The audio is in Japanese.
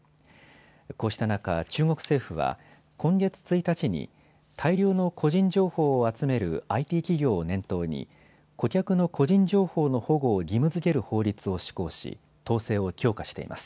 こうした中、中国政府は今月１日に大量の個人情報を集めるＩＴ企業を念頭に顧客の個人情報の保護を義務づける法律を施行し統制を強化しています。